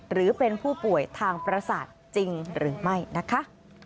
หรือเป็นผู้ป่วยทางประสาทจริงหรือไม่นะคะ